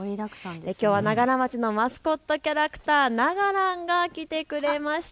きょうは長柄町のマスコットキャラクター、ながランが来てくれました。